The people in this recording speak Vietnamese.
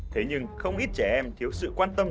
thế nhưng không ít trẻ em thiếu sự quan tâm